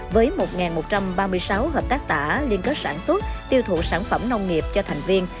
với một một trăm ba mươi sáu hợp tác xã liên kết sản xuất tiêu thụ sản phẩm nông nghiệp cho thành viên